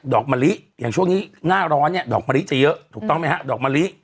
มะลิอย่างช่วงนี้หน้าร้อนเนี่ยดอกมะลิจะเยอะถูกต้องไหมฮะดอกมะลิ